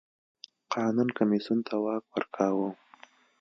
قانون کمېسیون ته واک ورکاوه.